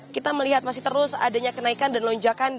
kita melihat masih terus adanya kenaikan dan lonjakan